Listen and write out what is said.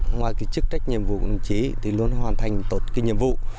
ngoài cái chức trách nhiệm vụ của đồng chí thì luôn hoàn thành tốt cái nhiệm vụ